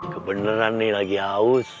kebeneran nih lagi haus